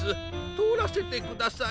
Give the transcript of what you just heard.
とおらせてください。